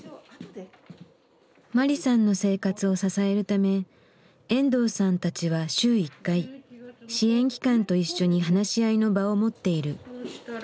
マリさんの生活を支えるため遠藤さんたちは週１回支援機関と一緒に話し合いの場を持っている。